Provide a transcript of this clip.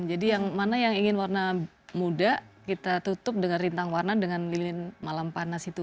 jadi yang mana yang ingin warna muda kita tutup dengan rintang warna dengan lilin malam panas itu